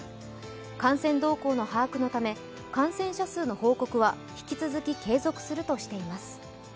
感染動向の把握のため感染者数の報告は引き続き継続するとしています。